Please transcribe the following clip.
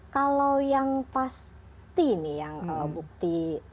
kalau yang pasti nih yang bukti